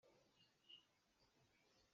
Rang hrem lo cu a chak hlawmh a har ko.